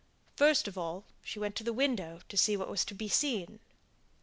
First of all, she went to the window to see what was to be seen.